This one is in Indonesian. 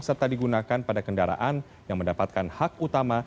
serta digunakan pada kendaraan yang mendapatkan hak utama